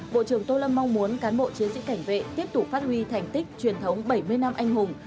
bộ trưởng tô lâm mong muốn cán bộ chiến sĩ cảnh vệ tiếp tục phát huy thành tích truyền thống bảy mươi năm anh hùng